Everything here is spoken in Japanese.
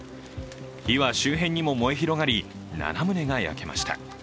火は周辺にも燃え広がり７棟が焼けました。